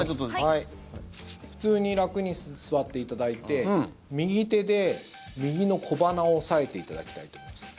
普通に楽に座っていただいて右手で右の小鼻を押さえていただきたいと思います。